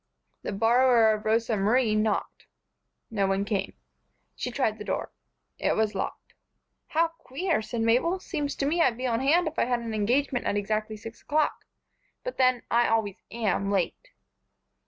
The borrower of Rosa Marie knocked. No one came. She tried the door. It was locked. "How queer!" said Mabel. "Seems to me I'd be on hand if I had an engagement at exactly six o'clock. But then, I always am late."